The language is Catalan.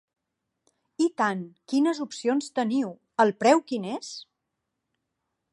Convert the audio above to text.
I tant, quines opcions teniu, el preu quin és?